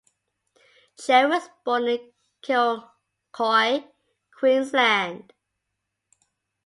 Cherry was born in Kilcoy, Queensland.